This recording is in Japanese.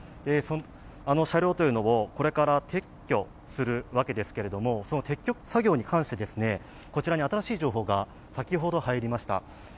あの車両をこれから撤去するわけですけれども、その撤去作業に関して、こちらに新しい情報が先ほど入りました。